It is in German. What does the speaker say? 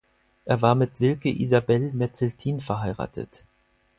Er war mit Silke Isabel Metzelthin verheiratet.